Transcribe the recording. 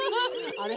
あれ？